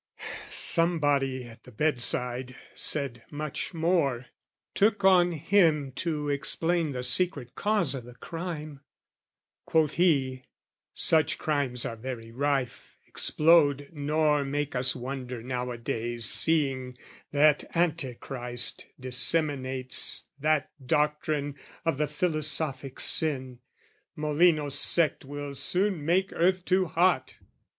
Somebody, at the bedside, said much more, Took on him to explain the secret cause O' the crime: quoth he, "Such crimes are very rife, "Explode nor make us wonder now a days, "Seeing that Antichrist disseminates "That doctrine of the Philosophic Sin: "Molinos' sect will soon make earth too hot!"